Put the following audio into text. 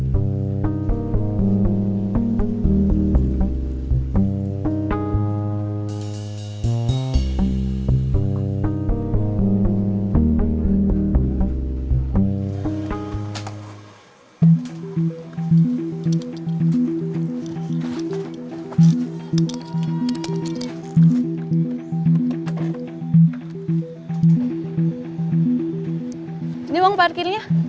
sini panggung parkirnya